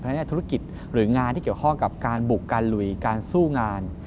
เพราะฉะนั้นธุรกิจหรืองานที่เกี่ยวข้องกับการบุกการลุยการสู้งาน